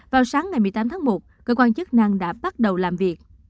vào sáng ngày một mươi tám tháng một cơ quan chức năng đã bắt đầu làm việc